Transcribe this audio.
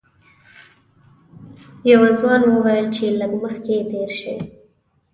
یوه ځوان وویل چې لږ مخکې تېر شئ.